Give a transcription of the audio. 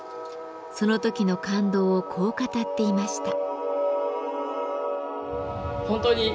その時の感動をこう語っていました。